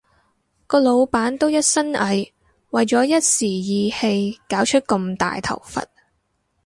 個老闆都一身蟻，為咗一時意氣搞出咁大頭佛